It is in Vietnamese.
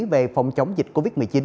về phòng chống dịch covid một mươi chín